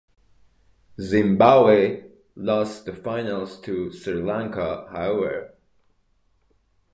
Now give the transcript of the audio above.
Zimbabwe lost the finals to Sri Lanka, however.